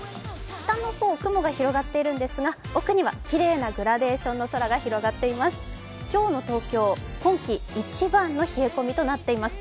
下の方、雲が広がっているんですが奥にはきれいなグラデーションの空が広がっています。